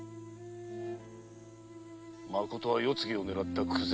まことは世継ぎを狙った久世。